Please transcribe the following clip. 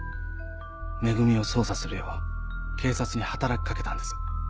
「め組」を捜査するよう警察に働き掛けたんです。